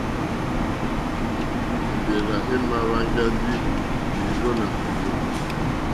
Èmbèrzà èmà hwánjá ndí mèrzó nà mèrzô.